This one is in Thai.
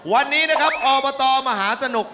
วันนี้นะครับอบตมหาสนุก